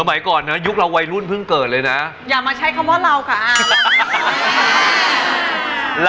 มั่วไปทุกอย่างเลยนะฮะ